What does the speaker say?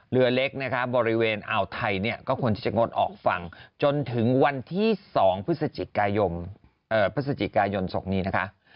เรือเล็กบริเวณอ่าวไทยก็ควรที่จะงดออกฝั่งจนถึงวันที่๒พฤศจิกายนศกนี้นะคะ